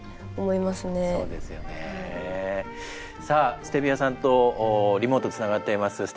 さあステビアさんとリモートつながっています。